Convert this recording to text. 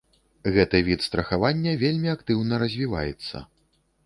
Гэты від страхавання вельмі актыўна развіваецца.